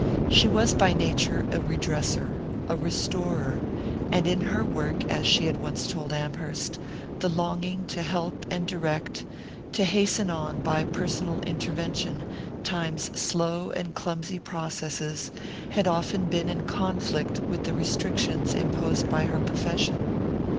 She was by nature a redresser, a restorer; and in her work, as she had once told Amherst, the longing to help and direct, to hasten on by personal intervention time's slow and clumsy processes, had often been in conflict with the restrictions imposed by her profession.